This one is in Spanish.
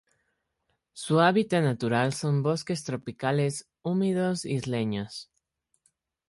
Su hábitat natural son bosques tropicales húmedos isleños.